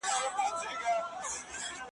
زوى دا ستا په شاني ښايي ابليس پلار ته `